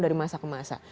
dari masa ke masa